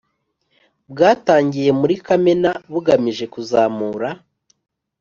bwatangiye muri Kamena, bugamije kuzamura